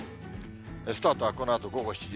スタートはこのあと午後７時。